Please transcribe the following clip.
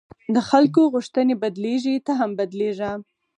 د خلکو غوښتنې بدلېږي، ته هم بدلېږه.